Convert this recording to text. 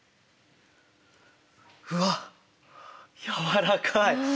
うわっ柔らかい！